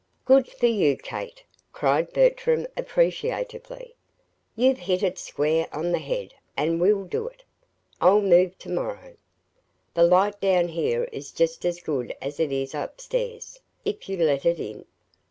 "Good for you, Kate," cried Bertram, appreciatively. "You've hit it square on the head, and we'll do it. I'll move to morrow. The light down here is just as good as it is up stairs if you let it in!"